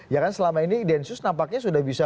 ya kan selama ini densus nampaknya sudah bisa